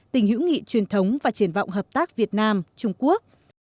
tình hữu nghị truyền thống và triển vọng hợp tác việt nam trung quốc